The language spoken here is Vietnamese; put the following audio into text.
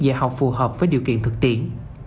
dạy học phù hợp với điều kiện thực tiện